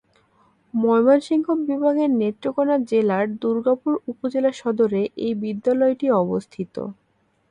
ময়মনসিংহ বিভাগের নেত্রকোণা জেলার দুর্গাপুর উপজেলা সদরে এই বিদ্যালয়টি অবস্থিত।